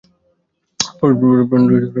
প্রচন্ড প্রসাব চাপছে।